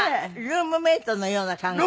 ルームメートのような感覚？